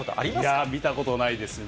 いやー、見たことないですね。